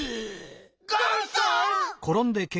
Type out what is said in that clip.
ガンさん！？